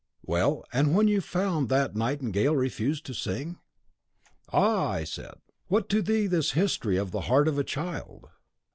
"'Well, and when you found that the nightingale refused to sing?' "'Ah!' I said, 'what to thee this history of the heart of a child?